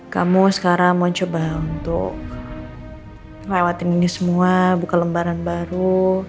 kamu sekarang mau coba untuk ngelewatin ini semua buka lembaran baru